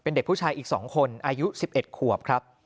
เป็นเด็กผู้ชายอีก๒คนอายุ๑๑ขวบครับ